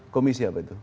komisi apa itu